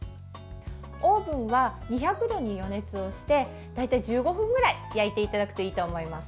オーブンは２００度に余熱をして大体１５分くらい焼いていただくといいと思います。